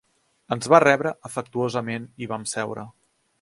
Ens va rebre afectuosament i vam seure.